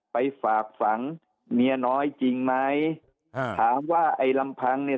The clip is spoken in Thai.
ไปฝากฝังเมียน้อยจริงไหมอ่าถามว่าไอ้ลำพังเนี่ย